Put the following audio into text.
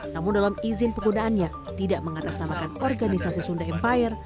namun dalam izin penggunaannya tidak mengatasnamakan organisasi sunda empire